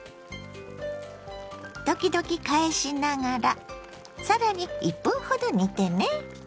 時々返しながらさらに１分ほど煮てね。